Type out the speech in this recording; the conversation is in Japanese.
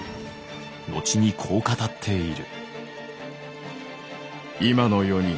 後にこう語っている。